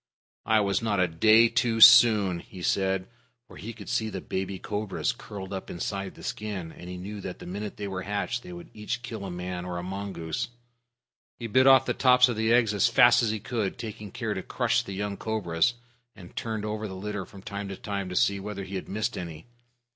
"I was not a day too soon," he said, for he could see the baby cobras curled up inside the skin, and he knew that the minute they were hatched they could each kill a man or a mongoose. He bit off the tops of the eggs as fast as he could, taking care to crush the young cobras, and turned over the litter from time to time to see whether he had missed any.